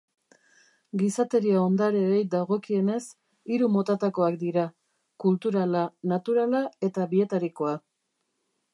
Gizateria Ondareei dagokienez, hiru motatakoak dira: kulturala, naturala eta bietarikoa.